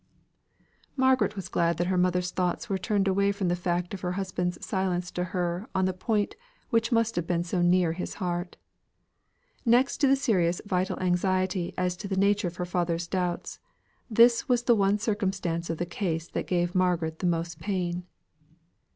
'" Margaret was glad that her mother's thoughts were turned away from the fact of her husband's silence to her on the point which must have been so near his heart. Next to the serious vital anxiety as to the nature of her father's doubts, this was the one circumstance of the case that gave Margaret the most pain.